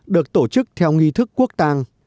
được tổ chức theo nghi thức quốc tàng